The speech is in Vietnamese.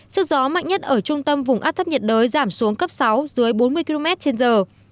sức gió mạnh nhất ở trung tâm vùng áp thấp nhiệt đới giảm xuống cấp sáu dưới bốn mươi km trên giờ